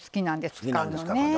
使うのね。